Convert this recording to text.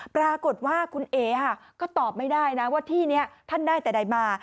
ปรากฏว่าคุณเอ๋ก็ตอบไม่ได้นะว่าที่นี้ท่านได้แต่ใดมา